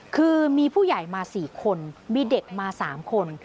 คือมีผู้ใหญ่มา๔คนมีเด็กมา๓คน